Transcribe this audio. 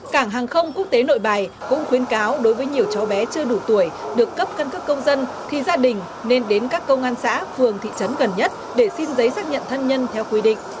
cảng hàng không quốc tế nội bài cũng khuyến cáo đối với nhiều cháu bé chưa đủ tuổi được cấp căn cước công dân thì gia đình nên đến các công an xã phường thị trấn gần nhất để xin giấy xác nhận thân nhân theo quy định